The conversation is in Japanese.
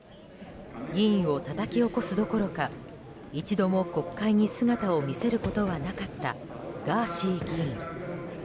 議員をたたき起こすどころか一度も国会に姿を見せることがなかったガーシー議員。